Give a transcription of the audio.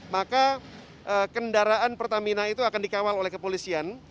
maka kendaraan pertamina itu akan dikawal oleh kepolisian